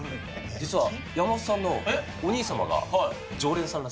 実は山本さんのお兄様が常連え？